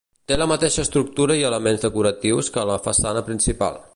Té la mateixa estructura i elements decoratius que a la façana principal.